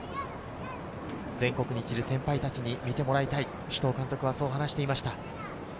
全国に散る先輩たちに見てもらいたい、首藤監督はそう話していました。